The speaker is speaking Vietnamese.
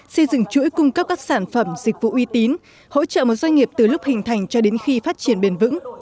xây dựng chuỗi cung cấp các sản phẩm dịch vụ uy tín hỗ trợ một doanh nghiệp từ lúc hình thành cho đến khi phát triển bền vững